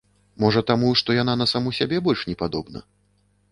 Можа таму, што яна на саму сябе больш не падобна?